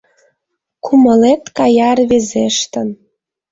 Кумылет кая рвезештын